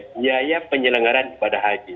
biaya penyelenggaran ibadah haji